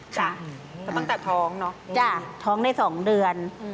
จ้ะเพราะตั้งแต่ท้องเนอะ